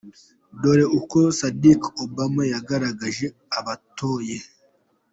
Dore uko Saddick Obama yagaragaje abatoye:.